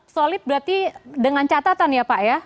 solid berarti dengan catatan ya pak ya